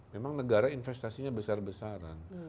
memang negara investasinya besar besaran